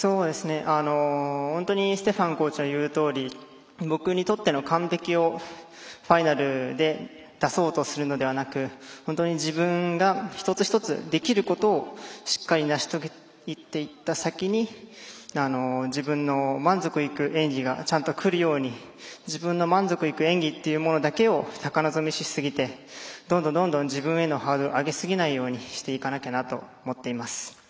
本当にステファンコーチの言うとおり僕にとっての完璧をファイナルで出そうとするのではなく本当に自分が一つ一つできることをしっかり成し遂げていった先に自分の満足のいく演技がちゃんと来るように自分の満足いく演技というものだけを高望みしていってどんどん自分へのハードルを上げすぎないようにしていかなきゃなと思っています。